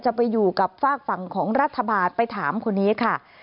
จะไปอยู่กับฝากฝั่งของรัฐบาลไปถามคนนี้ค่ะ